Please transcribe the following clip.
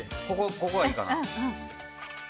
ここがいいかな。